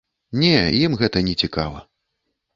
Не, ім гэта нецікава.